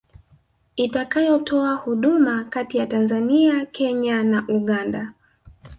itakayotoa huduma kati ya Tanzania Kenya na Uganda